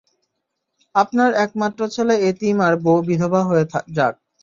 আপনার একমাত্র ছেলে এতিম আর বউ বিধবা হয়ে যাক।